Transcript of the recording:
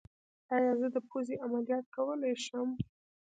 ایا زه د پوزې عملیات کولی شم؟